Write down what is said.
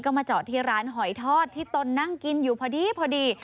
ก็มาจอดที่ร้านหอยทอดที่ตนนั่งกินอยู่พอดีพอดี